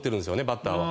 バッターは。